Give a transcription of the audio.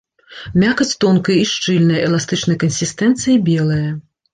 Мякаць тонкая і шчыльная, эластычнай кансістэнцыі, белая.